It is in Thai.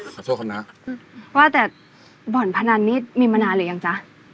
ขอโทษค่ะน้ำน้าว่าแต่บ่อนพะนันนี้มีมันาหรือยังจ้ะ